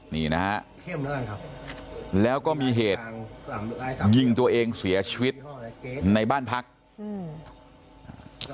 นี่นะฮะแล้วก็มีเหตุยิงตัวเองเสียชีวิตในบ้านพักอืม